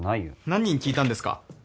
何人に聞いたんですか？